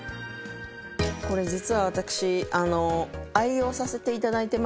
これ実は私愛用させて頂いてまして。